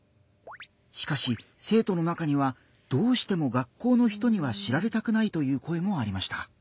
しかし生徒の中には「どうしても学校の人には知られたくない」という声もありました。